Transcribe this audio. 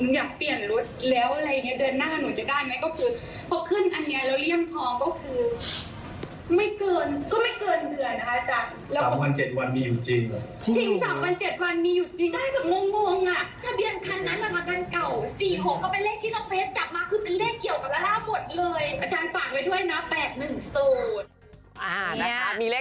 มาเป็นเลขเกี่ยวกับลาล่าหมดเลย